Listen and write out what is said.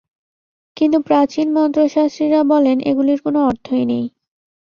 কিন্তু প্রাচীন মন্ত্রশাস্ত্রীরা বলেন এগুলির কোন অর্থই নেই।